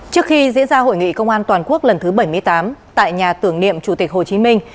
trước khi diễn ra hội nghị công an toàn quốc lần thứ bảy mươi tám tại nhà tưởng niệm chủ tịch hồ chí minh